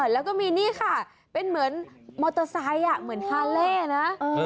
แล้วก็มีนี่ค่ะเป็นเหมือนมอเตอร์ไซค์เหมือนฮาเล่นะ